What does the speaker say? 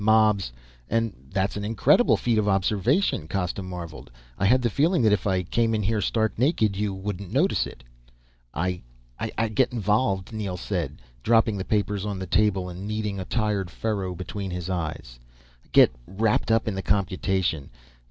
Mobs. And that's an incredible feat of observation," Costa marveled. "I had the feeling that if I came in here stark naked, you wouldn't notice it." "I ... I get involved," Neel said. Dropping the papers on a table and kneading the tired furrow between his eyes. "Get wrapped up in the computation.